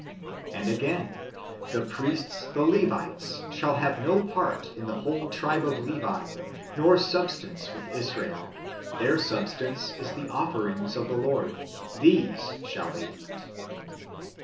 ^ And again, " The priests the Levites shall have no part in the whole tribe of Levi, nor substance with Israel ; their substance is the offerings (fructifications) of the Lord : these shall they eat."